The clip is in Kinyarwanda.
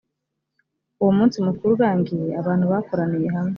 uwo munsi mukuru urangiye abantu bakoraniye hamwe